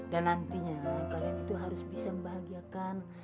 dan nantinya kalian itu harus bisa membahagiakan